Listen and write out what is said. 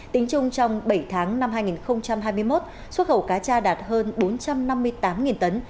tính chung trong bảy tháng năm hai nghìn hai mươi một xuất khẩu cá cha đạt hơn bốn trăm năm mươi tám tấn